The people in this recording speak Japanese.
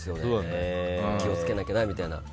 気をつけなきゃなみたいな。